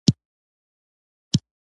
دوی ته چا د پوښتنې اجازه نه ورکوله